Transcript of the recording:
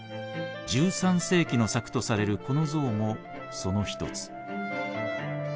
１３世紀の作とされるこの像もその一つ。